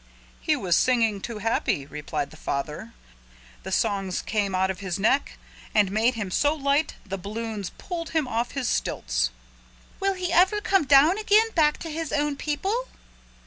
"He was singing too happy," replied the father. "The songs came out of his neck and made him so light the balloons pulled him off his stilts." "Will he ever come down again back to his own people?"